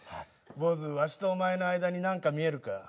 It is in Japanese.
坊主わしとお前の間に何か見えるか？